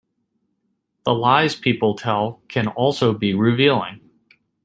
The lies people tell can also be revealing.